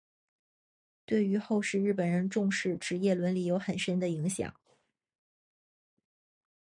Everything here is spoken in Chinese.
对于后世日本人重视职业伦理有很深的影响。